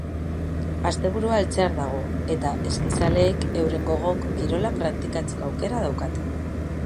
Asteburua heltzear dago, eta eskizaleek euren gogoko kirola praktikatzeko aukera daukate.